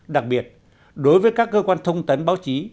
đặc biệt đối với các cơ quan thông tấn báo chí